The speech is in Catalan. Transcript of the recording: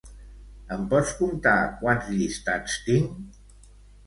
Em pots comptar quants llistats tinc?